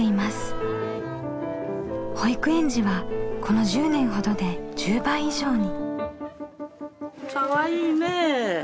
保育園児はこの１０年ほどで１０倍以上に。